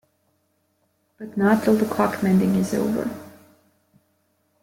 But not till the clock-mending is over.